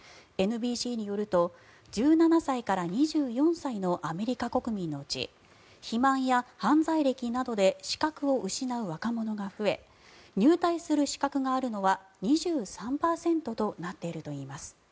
ＮＢＣによると１７歳から２４歳のアメリカ国民のうち肥満や犯罪歴などで資格を失う若者が増え入隊する資格があるのは２３％となっているといいます。